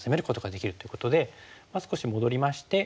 少し戻りまして。